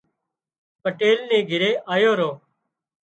پٽيل نِي گھري آيو رو